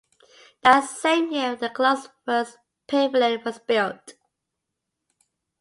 That same year the club's first pavilion was built.